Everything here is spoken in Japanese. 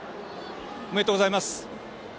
ありがとうございます。